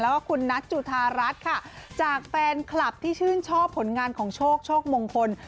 แล้วก็คุณนัทจุธารัฐค่ะจากแฟนคลับที่ชื่นชอบผลงานของโชคโชคมงคล